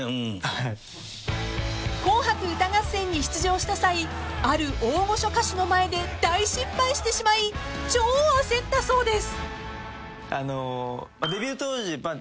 ［『紅白歌合戦』に出場した際ある大御所歌手の前で大失敗してしまい超焦ったそうです］